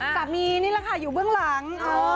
นี่แหละค่ะอยู่เบื้องหลัง